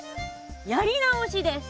やり直しです。